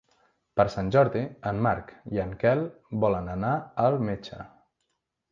Per Sant Jordi en Marc i en Quel volen anar al metge.